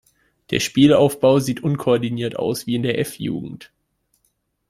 Der Spielaufbau sieht unkoordiniert aus wie in der F-Jugend.